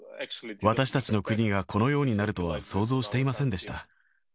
私たちの国がこのようになるとは想像していませんでした。